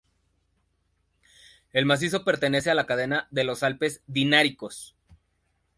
El macizo pertenece a la cadena de los Alpes Dináricos.